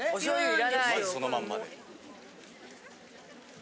まずそのまんまで。